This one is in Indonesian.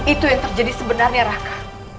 itu yang terjadi sebenarnya raka